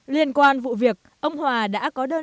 liên quan vụ việc ông hòa đã có đơn